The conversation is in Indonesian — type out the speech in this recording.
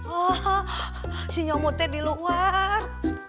oh si nyomutnya di luar